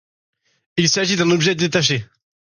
Il s'agit d'un objet détaché.